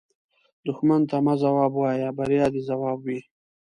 دښمن ته مه ځواب وایه، بریا دې ځواب وي